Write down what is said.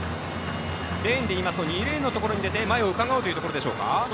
レーンでいいますと２レーンのところへ出て前をうかがうんでしょうか。